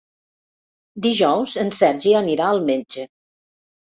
Dijous en Sergi anirà al metge.